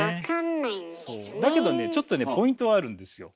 だけどねちょっとねポイントはあるんですよ。